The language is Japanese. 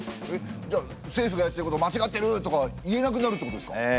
えっじゃあ「政府がやってることまちがってる！」とか言えなくなるってことですか？